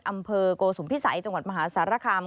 อำเภอโกสุมพิสัยจังหวัดมหาสารคาม